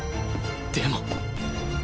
でも